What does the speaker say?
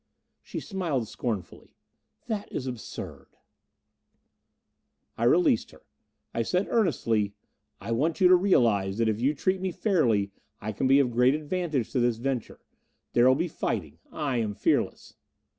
She smiled scornfully. "That is absurd." I released her. I said earnestly, "I want you to realize that if you treat me fairly, I can be of great advantage to this venture. There will be fighting I am fearless."